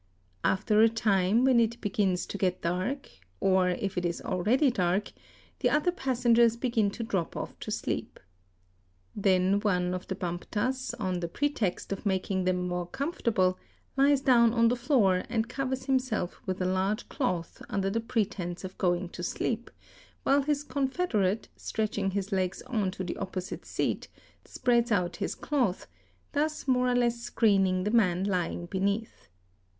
After a time, when it begins to get dark, or if it is already dark, the other passen gers begin to drop off to sleep. Then one of the Bhamptas, on the pretext of making them more comfortable, lies down on the floor, and covers him — self with a large cloth under the pretence of going to sleep, while his — confederate, stretching his legs on to the opposite seat, spreads out his cloth, thus more or less screening the man lying beneath.